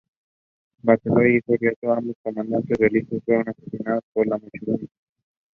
Michigan coach Juwan Howard was named Big Ten Coach of the Year.